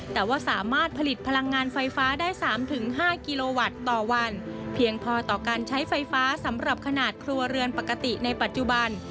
แต่ว่าสามารถผลิตพลังงานไฟฟ้าได้๓๕กิโลวัตต์ต่อวันเพียงพอต่อการใช้ไฟฟ้าสำหรับขนาดครัวเรือนปกติในปัจจุบัน